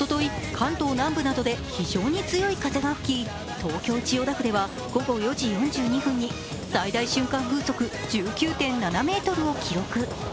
関東南部などで非常に強い風が吹き東京・千代田区では午後４時４２分に最大瞬間風速１９．７メートルを記録。